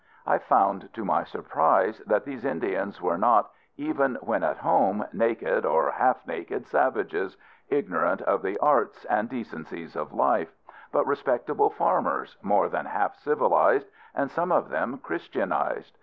I found to my surprise that these Indians were not, even when at home, naked or half naked savages, ignorant of the arts and decencies of life; but respectable farmers, more than half civilized, and some of them Christianized.